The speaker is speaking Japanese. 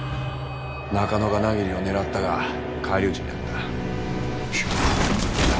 中野が百鬼を狙ったが返り討ちに遭った。